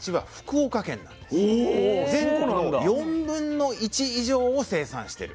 全国の４分の１以上を生産してる。